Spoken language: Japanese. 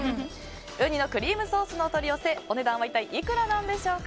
ウニのクリームソースのお取り寄せお値段は一体いくらなんでしょうか。